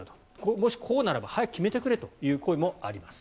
もしこうならば早く決めてくれという声もあります。